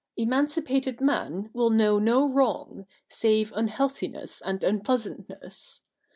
Emancipated man will know no wrong, save unhealthi ness and unpleasantness.